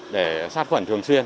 để sát khuẩn thường xuyên